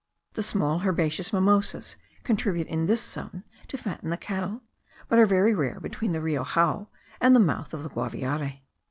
The small herbaceous mimosas contribute in this zone to fatten the cattle, but are very rare between the Rio Jao and the mouth of the Guaviare.